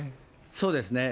そうですね。